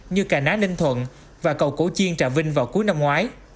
như cà ná ninh thuận và cầu cổ chiên trà vinh vào cuối năm ngoái